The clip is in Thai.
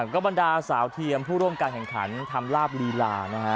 ก็บรรดาสาวเทียมผู้ร่วมการแข่งขันทำลาบลีลานะฮะ